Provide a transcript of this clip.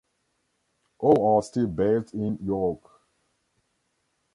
All are still based in York.